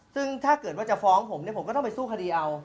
ซึ่งถ้าเกิดว่าจะฟ้องผมเนี่ยผมก็ต้องไปสู้คดีเอา